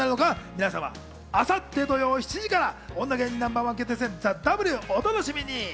皆様、明後日土曜７時から『女芸人Ｎｏ．１決定戦ＴＨＥＷ』お楽しみに！